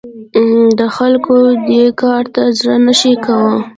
د خلکو دې کار ته زړه نه ښه کاوه.